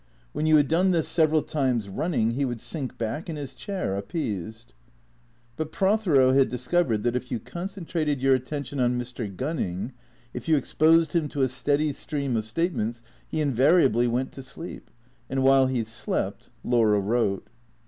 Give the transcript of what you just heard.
When you had done this several times running he would sink back in his chair appeased. But Prothero had discovered that if you con centrated your attention on Mr. Gunning, if you exposed him to a steady stream of statements, he invariably went to sleep; and while he slept Laura wrote.